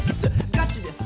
ガチです